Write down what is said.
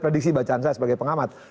prediksi bacaan saya sebagai pengamat